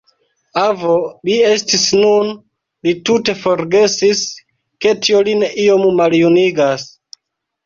Avo li estis nun; li tute forgesis, ke tio lin iom maljunigas.